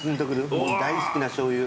僕大好きなしょうゆ。